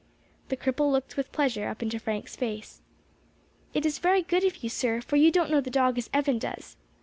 The cripple looked with pleasure up into Frank's face. "It is very good of you, sir, for you don't know the dog as Evan does.